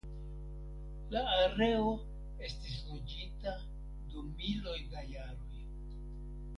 La areo estis loĝita dum miloj da jaroj.